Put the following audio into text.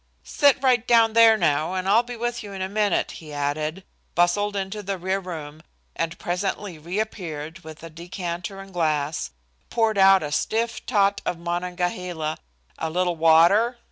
"Sit right down there now, and I'll be with you in a minute," he added; bustled into the rear room and presently reappeared with a decanter and glass; poured out a stiff tot of Monongahela; "A little water?"